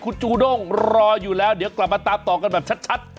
คุณจูด้งรออยู่แล้วเดี๋ยวกลับมาตามต่อกันแบบชัด